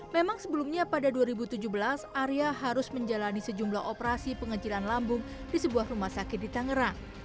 memang sebelumnya pada dua ribu tujuh belas arya harus menjalani sejumlah operasi pengecilan lambung di sebuah rumah sakit di tangerang